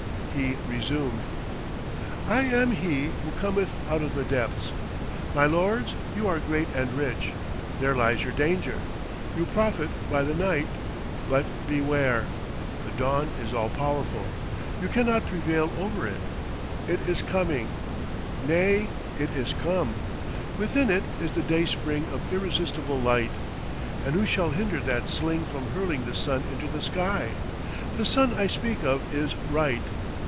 He resumed, "I am he who cometh out of the depths. My lords, you are great and rich. There lies your danger. You profit by the night; but beware! The dawn is all powerful. You cannot prevail over it. It is coming. Nay! it is come. Within it is the day spring of irresistible light. And who shall hinder that sling from hurling the sun into the sky? The sun I speak of is Right.